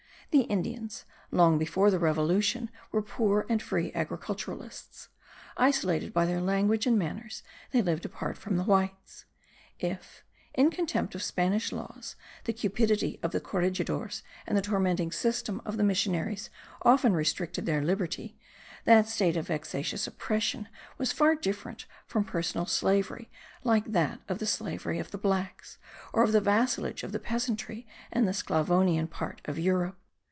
The Indians, long before the revolution, were poor and free agriculturists; isolated by their language and manners they lived apart from the whites. If, in contempt of Spanish laws, the cupidity of the corregidores and the tormenting system of the missionaries often restricted their liberty, that state of vexatious oppression was far different from personal slavery like that of the slavery of the blacks, or of the vassalage of the peasantry in the Sclavonian part of Europe.